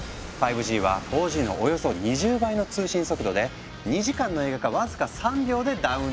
５Ｇは４Ｇのおよそ２０倍の通信速度で２時間の映画が僅か３秒でダウンロードできちゃう。